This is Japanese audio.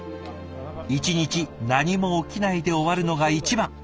一日何も起きないで終わるのが一番。